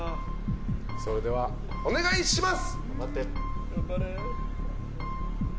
それではお願いします。